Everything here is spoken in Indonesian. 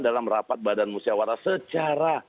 dalam rapat badan musyawarah secara